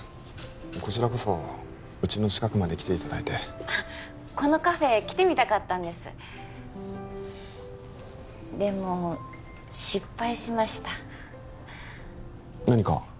こちらこそうちの近くまで来ていただいてこのカフェ来てみたかったんですでも失敗しました何か？